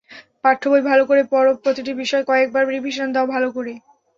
পাঠ্যবই ভালো করে পড়ো, প্রতিটি বিষয় কয়েকবার রিভিশন দাও ভালো করে।